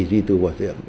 ri tù quả diện